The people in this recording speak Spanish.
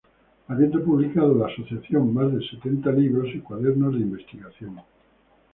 Habiendo publicado la asociación más de setenta libros y cuadernos de investigación.